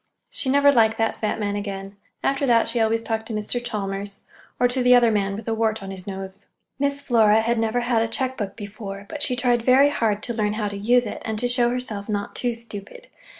She never liked that fat man again. After that she always talked to Mr. Chalmers, or to the other man with a wart on his nose. Miss Flora had never had a check book before, but she tried very hard to learn how to use it, and to show herself not too stupid.